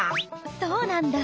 そうなんだ。